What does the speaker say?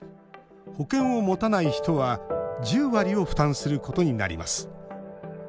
保険を持たない人は１０割を負担することになります。